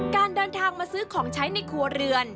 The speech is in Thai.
การเดินทางมาซื้อของใช้ในครัวเรือน